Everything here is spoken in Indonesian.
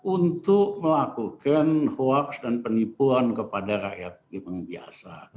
untuk melakukan hoax dan penipuan kepada rakyat yang mengibiasa